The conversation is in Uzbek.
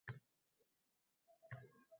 Ancha resurs tejalishi oydinlashadi.